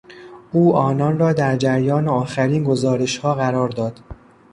او آنان را در جریان آخرین گزارشها قرار داد.